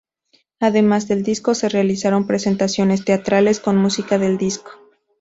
Además del disco se realizaron presentaciones teatrales con música del disco.